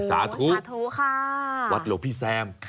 สาธุค่ะเงินวัดหลวงพี่แซม